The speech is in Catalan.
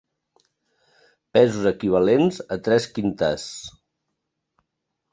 Pesos equivalents a tres quintars.